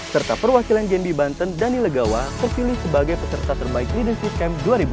serta perwakilan jambi banten dani legawa terpilih sebagai peserta terbaik leadership camp dua ribu dua puluh